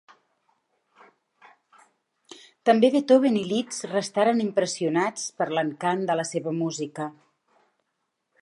També Beethoven i Liszt restaren impressionats per l'encant de la seva música.